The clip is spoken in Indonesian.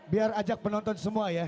biar ajak penonton semua ya